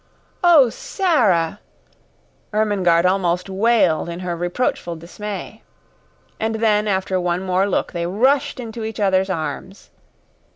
"Oh, Sara," Ermengarde almost wailed in her reproachful dismay. And then after one more look they rushed into each other's arms.